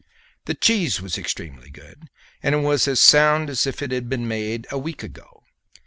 The cheese was extremely good, and was as sound as if it had been made a week ago.